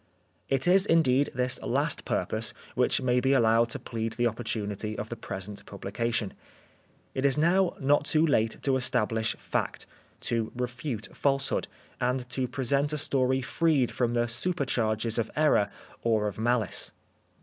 It is, indeed, this last purpose which may be allowed to plead the opportunity of the present publication. It is now not too late to establish fact, to refute falsehood and to present a story freed from the supercharges of error or of malice.